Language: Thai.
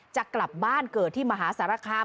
จะกลับบ้านเกิดที่มหาสารคาม